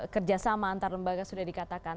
kerjasama antar lembaga sudah dikatakan